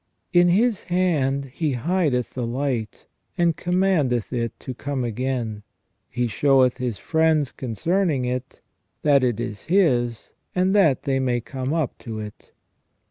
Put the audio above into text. " In His hand He hideth the light, and commandeth it to come again. He showeth His friends concerning it, that it is His, and that they may come up to it."